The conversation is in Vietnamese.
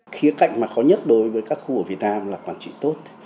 khía cạnh mà khó nhất đối với các khu ở việt nam là quản trị tốt